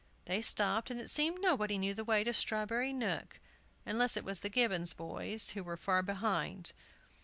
They stopped, and it seemed nobody knew the way to Strawberry Nook, unless it was the Gibbons boys, who were far behind.